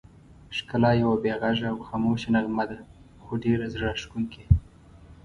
ښکلا یوه بې غږه او خاموشه نغمه ده، خو ډېره زړه راښکونکې.